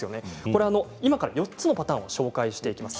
今から４つのパターンを紹介します。